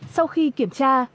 sau khi kiểm tra